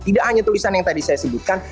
tidak hanya tulisan yang tadi saya sebutkan